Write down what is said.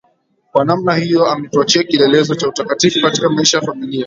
Kwa namna hiyo ametuachia kielelezo cha utakatifu katika maisha ya familia